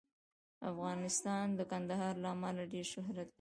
افغانستان د کندهار له امله ډېر شهرت لري.